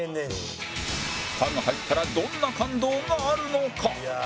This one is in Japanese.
歯が入ったらどんな感動があるのか？